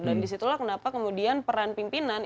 dan disitulah kenapa kemudian peran pimpinan